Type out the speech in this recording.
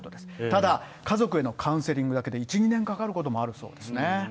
ただ、家族へのカウンセリングだけで１、２年かかることもあるそうですね。